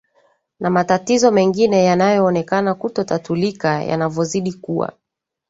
na matatizo mengine yanayoonekana kutotatulika yanayozidi kuwa